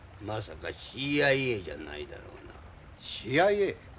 まさかＣＩＡじゃないだろうな？